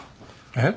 えっ？